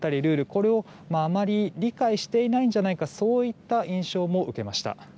これをあまり理解していないんじゃないかそういった印象も受けました。